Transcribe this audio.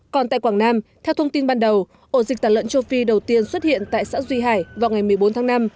còn tại quảng nam theo thông tin ban đầu ổ dịch tả lợn châu phi đầu tiên xuất hiện tại xã duy hải vào ngày một mươi bốn tháng năm